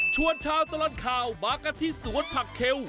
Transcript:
ชวนเช้าตลอดข่าวมากกะทิสวนผักเข็ว